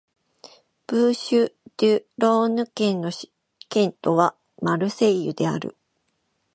ブーシュ＝デュ＝ローヌ県の県都はマルセイユである